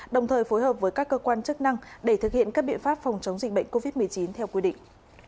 đồng thời phối hợp với các cơ quan chức năng để thực hiện các biện pháp phòng chống dịch bệnh covid một mươi chín theo quy định